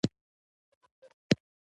زموږ ژوند تریخ دی